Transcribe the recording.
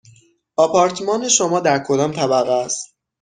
آپارتمان شما در کدام طبقه است؟